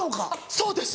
そうです！